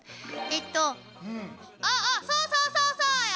ああああそうそうそうそうよ！